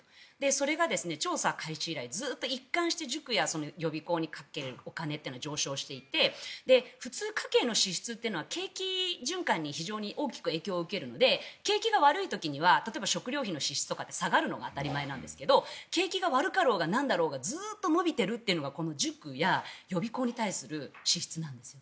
それが調査開始以来ずっと一貫して塾や予備校にかけるお金は上昇していて普通、家計の支出は景気循環に大きく影響を受けるので景気が悪い時には食料費の支出などは下がるのが普通なんですが景気が悪かろうがなんだろうがずっと伸びているというのがこの塾や予備校に対する支出なんです。